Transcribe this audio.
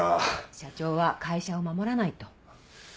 社長は会社を守らないと。